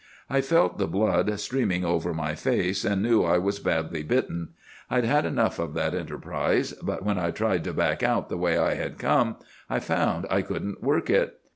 "'I felt the blood streaming over my face, and knew I was badly bitten. I'd had enough of that enterprise; but when I tried to back out the way I had come, I found I couldn't work it.